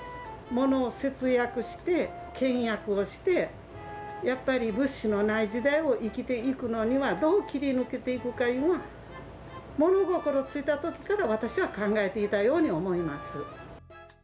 ものを節約して、倹約をして、やっぱり物資のない時代を生きていくのには、どう切り抜けていくかいうんは物心ついたときから、私は考えていたように思います。